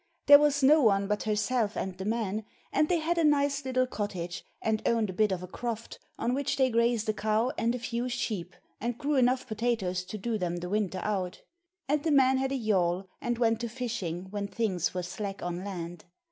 There was no one but herself and the man, and they had a nice little cottage and owned a bit of a croft on which they grazed a cow and a few sheep and grew enough potatoes to do them the winter out; and the man had a yawl and went to the fishing when things were slack on land.